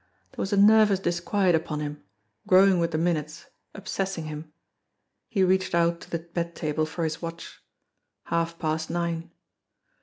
There was a nervous disquiet upon him, grow ing with the minutes, obsessing him. He reached out to the bed table for his watch. Half past nine.